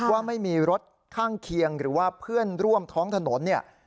ว่าไม่มีรถข้างเคียงหรือว่าเพื่อนร่วมท้องถนนเนี่ย